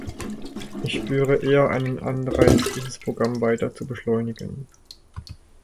Ich spüre eher einen Anreiz, dieses Programm weiter zu beschleunigen.